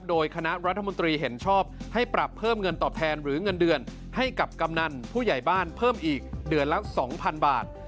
โดยคณะรัฐมนตรีเห็นชอบให้ปรับเพิ่มเงินตอบแทนหรือเงินเดือนให้กับกำนันผู้ใหญ่บ้านเพิ่มอีกเดือนละ๒๐๐๐บาท